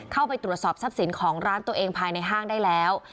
เข้าไปตรวจสอบทรัพย์สินของร้านตัวเองภายในห้างได้แล้ว